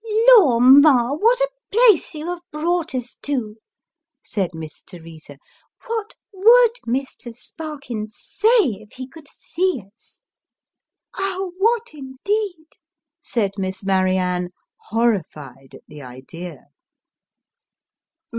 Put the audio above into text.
" Lor ! ma, what a place you have brought us to !" said Miss Teresa ;" what would Mr. Sparkins say if he could see us !"" Ah ! what, indeed !" said Miss Marianne, horrified at the idea.